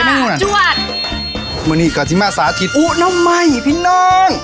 มันนี่กาซิม่าสาธิตอู้น้ำใหม่พี่น้อง